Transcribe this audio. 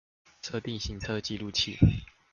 設定行車記錄器